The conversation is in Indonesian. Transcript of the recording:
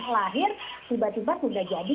lahir tiba tiba sudah jadi